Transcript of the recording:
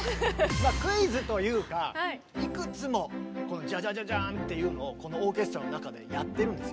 まあクイズというかいくつもこの「ジャジャジャジャン」っていうのをこのオーケストラの中でやってるんですよ。